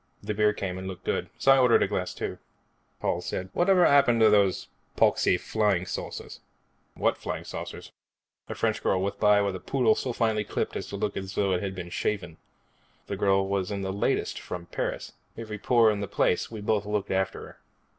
The beer came and looked good, so I ordered a glass too. Paul said, "What ever happened to those poxy flying saucers?" "What flying saucers?" A French girl went by with a poodle so finely clipped as to look as though it'd been shaven. The girl was in the latest from Paris. Every pore in place. We both looked after her.